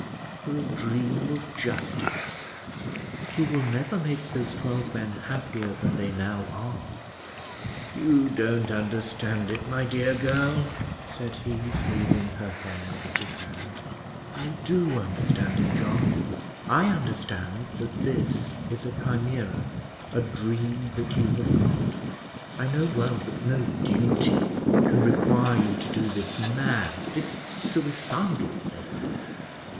For a dream of justice. You will never make those twelve men happier than they now are." "You don't understand it, my dear girl," said he, smoothing her hair with his hand. "I do understand it, John. I understand that this is a chimera, a dream that you have got. I know well that no duty can require you to do this mad this suicidal thing.